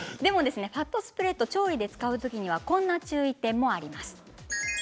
ファットスプレッド調理で使う時はこんな注意点もあります。